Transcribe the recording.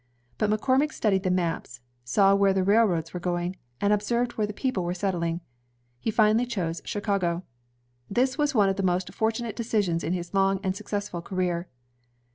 But McCormick studied the maps, saw where the railroads were going, and observed where the people were settUng. He finally chose Chicago. This was one of the most for tunate decisions in his long and successful career.